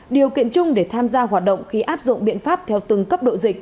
điều kiện chung để tham gia hoạt động khi áp dụng biện pháp theo từng cấp độ dịch